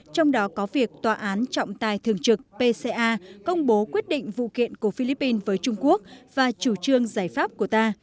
trong đó có việc tòa án trọng tài thường trực pca công bố quyết định vụ kiện của philippines với trung quốc và chủ trương giải pháp của ta